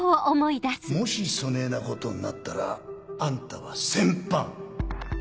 もしそねぇなことんなったらあんたは戦犯！